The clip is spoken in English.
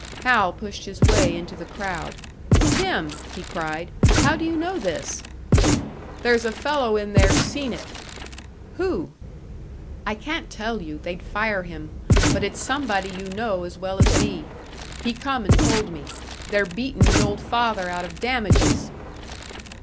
Hal pushed his way into the crowd. "Tim!" he cried. "How do you know this?" "There's a fellow in there seen it." "Who?" "I can't tell you they'd fire him; but it's somebody you know as well as me. He come and told me. They're beatin' me old father out of damages!"